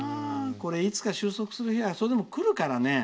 いつか収束する日はそれでもくるからね。